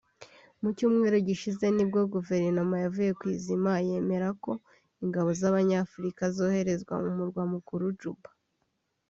Mu cyumweru gishize nibwo Guverinoma yavuye ku izima yemera ko ingabo z’Abanyafurika zoherezwa mu murwa mukuru Juba